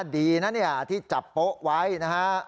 ดีนะเนี่ยที่จับโป๊ะไว้นะฮะ